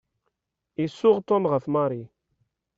Isuɣ Tom ɣef Mary.